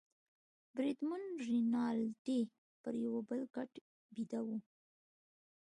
بریدمن رینالډي پر یوه بل کټ بیده وو.